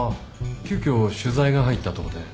急きょ取材が入ったとかで。